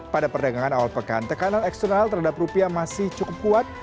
pada perdagangan awal pekan tekanan eksternal terhadap rupiah masih cukup kuat